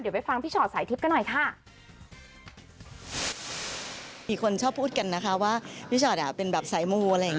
เดี๋ยวไปฟังพี่ฉอดสายทิศก็หน่อยค่ะ